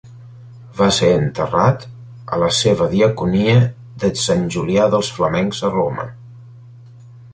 Va ser enterrat a la seva diaconia de Sant Julià dels Flamencs a Roma.